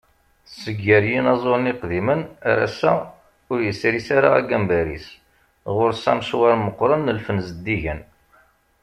Seg gar yinaẓuren iqdimen, ar ass-a ur yesris ara agambar-is, ɣur-s amecwar meqqren n lfen zeddigen.